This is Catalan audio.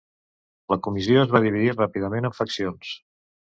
La comissió es va dividir ràpidament en faccions.